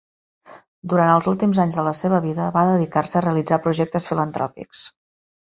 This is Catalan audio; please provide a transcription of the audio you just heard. Durant els últims anys de la seva vida, va dedicar-se a realitzar projectes filantròpics.